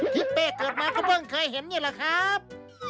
เป้เกิดมาก็เพิ่งเคยเห็นนี่แหละครับ